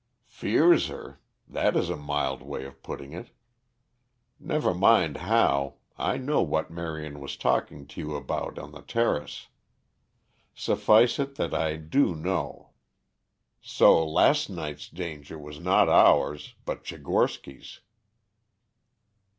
"Fears her! That is a mild way of putting it. Never mind how, I know what Marion was talking to you about on the terrace. Suffice it that I do know. So last night's danger was not ours, but Tchigorsky's."